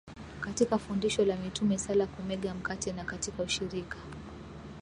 katika fundisho la mitume sala kumega mkate na katika ushirika